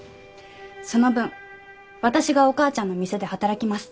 その分私がお母ちゃんの店で働きます。